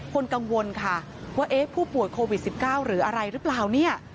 คนกังวลค่ะว่าเอ๊ะผู้ป่วยโควิด๑๙หรืออะไรหรือเปล่าเนี่ย